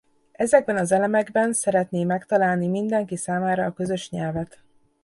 Ezekben az elemekben szeretné megtalálni mindenki számára a közös nyelvet.